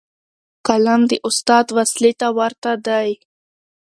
قلم د استاد وسلې ته ورته دی.